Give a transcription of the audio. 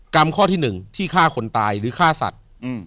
กรรมข้อที่๑ที่ฆ่าคนตายหรือฆ่าสัตว์